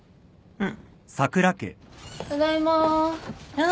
うん。